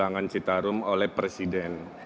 penanggulangan citarum oleh presiden